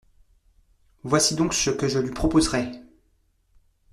voici donc ce que je lui proposerais.